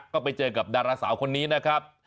ก็ไปเจอกับดาราสาวคนนี้นะครับ